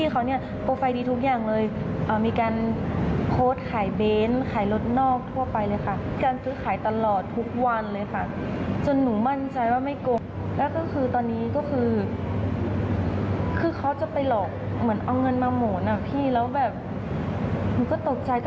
คดียาวเป็นหางว่างเลยค่ะ